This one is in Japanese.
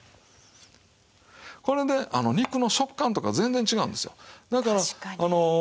これで肉の食感とか全然違うんですよ。